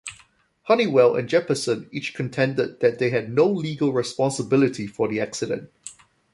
Honeywell and Jeppesen each contended that they had no legal responsibility for the accident.